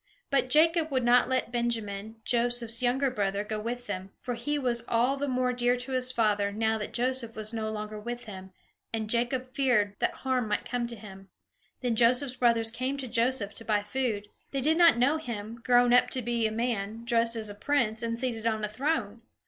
But Jacob would not let Benjamin, Joseph's younger brother, go with them, for he was all the more dear to his father, now that Joseph was no longer with him; and Jacob feared that harm might come to him. Then Joseph's brothers came to Joseph to buy food. They did not know him, grown up to be a man, dressed as a prince, and seated on a throne.